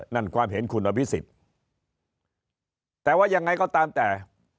นั่นความเห็นคุณอภิษฎแต่ว่ายังไงก็ตามแต่